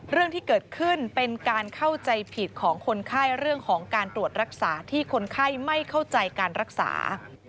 เรื่องที่เกิดขึ้นเป็นการเข้าใจผิดของคนไข้เรื่องของการตรวจรักษาที่คนไข้ไม่เข้าใจการรักษา